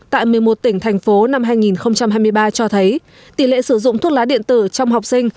tại một mươi một tỉnh thành phố năm hai nghìn hai mươi ba cho thấy tỷ lệ sử dụng thuốc lá điện tử trong học sinh